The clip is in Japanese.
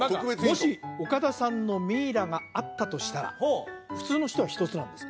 もし岡田さんのミイラがあったとしたら普通の人は１つなんです